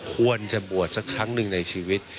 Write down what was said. ควรจะบวชสักครั้งหนึ่งในชีวิต